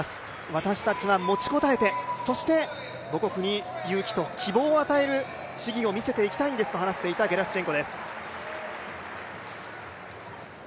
私たちは持ちこたえて母国に勇気と希望を与える試技をみせていきたいんですと話していたゲラシュチェンコです。